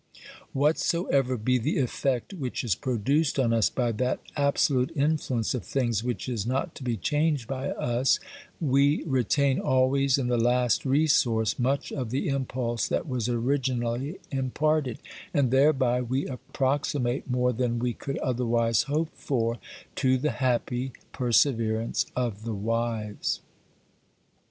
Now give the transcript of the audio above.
Whatsoever be the effect which is pro duced on us by that absolute influence of things which is not to be changed by us, we retain always in the last resource much of the impulse that was originally imparted, and thereby we approximate more than we could otherwise hope for to the happy perseverance of the wise.